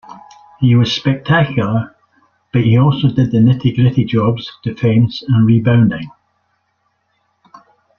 He was spectacular, but he also did the nitty gritty jobs, defense and rebounding.